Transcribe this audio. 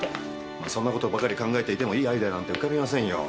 そんなことばかり考えていてもいいアイデアなんて浮かびませんよ。